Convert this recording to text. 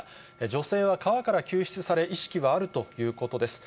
女性は川から救出され、意識はあるということです。